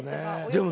でも。